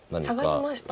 サガりました。